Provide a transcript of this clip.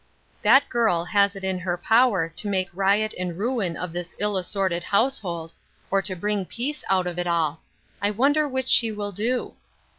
" That girl has it in her power to make riot and ruin of this ill assorted household, or to bring peace ovt of it all. I wonder which she will do?"